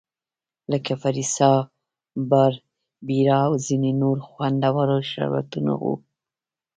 لکه فریسا، باربیرا او ځیني نور خوندور شربتونه وو.